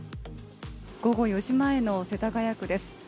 午後４時前の世田谷区です。